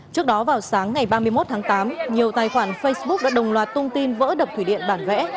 trước đó vào sáng ngày ba mươi một tháng tám nhiều tài khoản facebook đã đồng loạt tung tin vỡ đập thủy điện bản vẽ